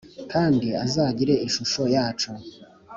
kandi azagire ishusho yacu